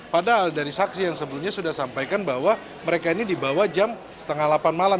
padahal dari saksi yang sebelumnya sudah sampaikan bahwa mereka ini dibawa jam setengah delapan malam